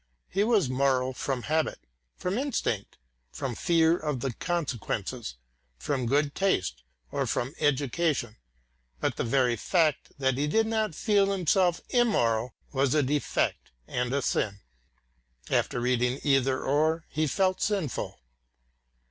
He was moral from habit; from instinct, from fear of the consequences, from good taste or from education, but the very fact that he did not feel himself immoral, was a defect and a sin. After reading Either Or he felt sinful.